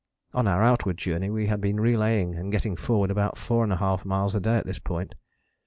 On our outward journey we had been relaying and getting forward about 4½ miles a day at this point.